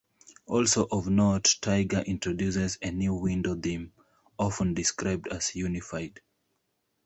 Also of note, Tiger introduces a new window theme, often described as 'Unified'.